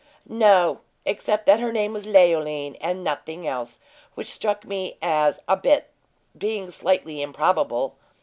"No, except that her name was Leoline, and nothing else which struck me as being slightly improbable.